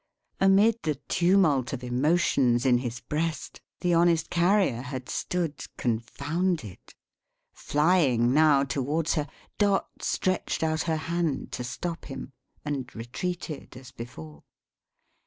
Amid the tumult of emotions in his breast, the honest Carrier had stood, confounded. Flying, now, towards her, Dot stretched out her hand to stop him, and retreated as before.